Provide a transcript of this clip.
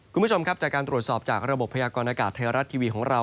คุณผู้ชมครับจากการตรวจสอบจากระบบพยากรณากาศไทยรัฐทีวีของเรา